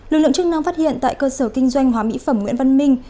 lực lượng chức năng phát hiện tại cơ sở kinh doanh hóa mỹ phẩm nguyễn văn minh